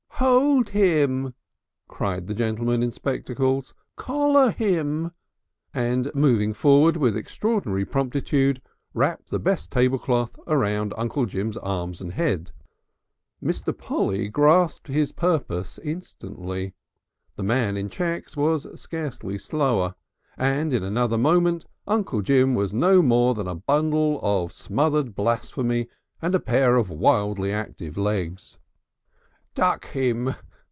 "Hold him!" cried the gentleman in spectacles. "Collar him!" and moving forward with extraordinary promptitude wrapped the best tablecloth about Uncle Jim's arms and head. Mr. Polly grasped his purpose instantly, the man in checks was scarcely slower, and in another moment Uncle Jim was no more than a bundle of smothered blasphemy and a pair of wildly active legs. "Duck him!"